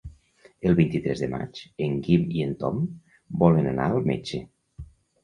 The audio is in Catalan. El vint-i-tres de maig en Guim i en Tom volen anar al metge.